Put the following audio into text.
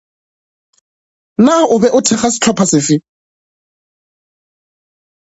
Na o be o thekga sehlopha sefe?